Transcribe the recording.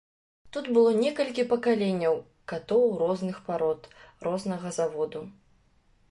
Тут было некалькі пакаленняў катоў розных парод, рознага заводу.